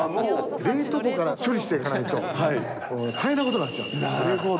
冷凍庫から処理していかないと、大変なことになっちなるほど。